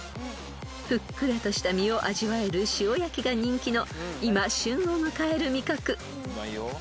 ［ふっくらとした身を味わえる塩焼きが人気の今旬を迎える味覚］